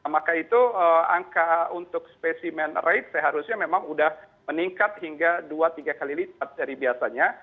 maka itu angka untuk spesimen rate seharusnya memang sudah meningkat hingga dua tiga kali lipat dari biasanya